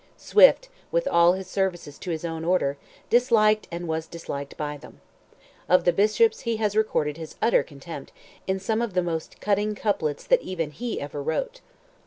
Swift, with all his services to his own order, disliked, and was disliked by them. Of the bishops he has recorded his utter contempt in some of the most cutting couplets that even he ever wrote.